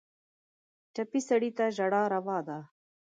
ټپي سړی ته ژړا روا ده.